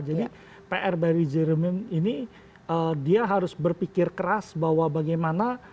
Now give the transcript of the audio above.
jadi pr dari jerome ini dia harus berpikir keras bahwa bagaimana